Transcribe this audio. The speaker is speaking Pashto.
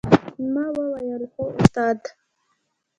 ما وويل هو استاده.